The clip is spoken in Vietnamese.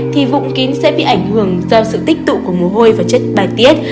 thì vụng kín sẽ bị ảnh hưởng do sự tích tụ của mồ hôi và chất bài tiết